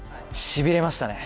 しびれましたね。